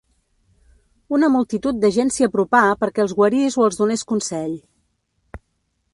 Una multitud de gent s'hi apropà perquè els guarís o els donés consell.